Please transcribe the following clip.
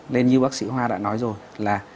nên như bác sĩ hoa đã nói rồi là